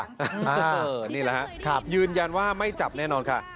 นี่แหละฮะยืนยันว่าไม่จับแน่นอนค่ะ